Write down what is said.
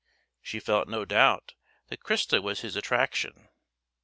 She felt no doubt that Christa was his attraction.